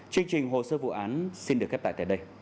chương trình hồ sơ vụ án xin được kết tại tại đây